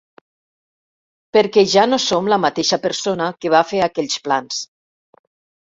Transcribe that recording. Perquè ja no som la mateixa persona que va fer aquells plans.